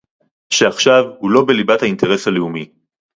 שעכשיו הוא לא בליבת האינטרס הלאומי